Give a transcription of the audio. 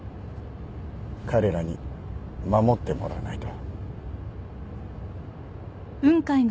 彼らに守ってもらわないと。